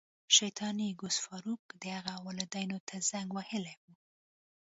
شیطاني ګس فارویک د هغه والدینو ته زنګ وهلی و